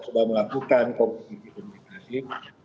untuk melakukan komunikasi